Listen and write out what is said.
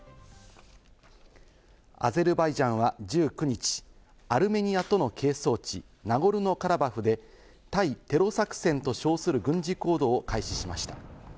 アゼルバイジャンは１９日、アルメニアとの係争地・ナゴルノカラバフで対テロ作戦と称する軍事行動を開始しました。